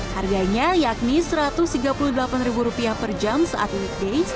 harganya yakni rp satu ratus tiga puluh delapan per jam saat weekdays